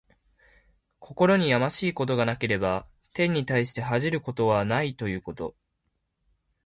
心にやましいことがなければ、天に対して恥じることはないということ。